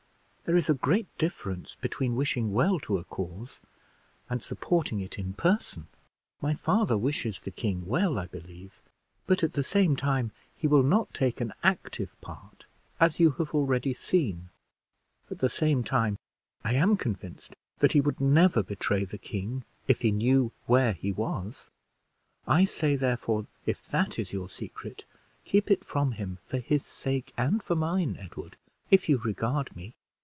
There is a great difference between wishing well to a cause and supporting it in person. My father wishes the king well, I believe, but, at the same time, he will not take an active part, as you have already seen; at the same time, I am convinced that he would never betray the king if he knew where he was. I say, therefore, if that is your secret, keep it from him, for his sake and for mine, Edward, if you regard me."